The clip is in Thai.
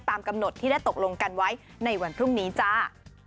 ตามกำหนดที่ได้ตกลงกันไว้ในวันพรุ่งนี้จ้า